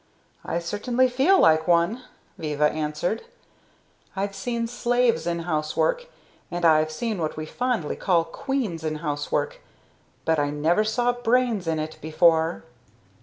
"I certainly feel like one," Viva answered. "I've seen slaves in housework, and I've seen what we fondly call 'Queens' in housework; but I never saw brains in it before."